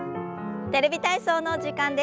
「テレビ体操」の時間です。